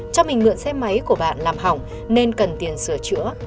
cho mình mượn xe máy của bạn làm hỏng nên cần tiền sửa chữa